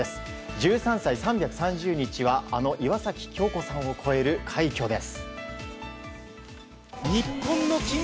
１３歳３３０日は岩崎恭子さんを超える快挙です。